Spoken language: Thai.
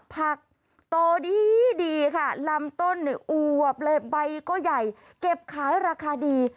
ผักโตดีค่ะลำต้นอวบใบก็ใหญ่เก็บขายราคาดี